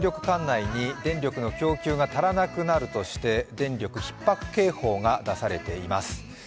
管内に電力の供給が足らなくなるとして電力ひっ迫警報が出されています。